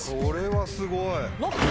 これはすごい。